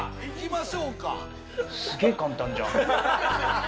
すげぇ簡単じゃん。